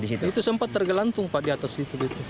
itu sempat tergelantung pak di atas situ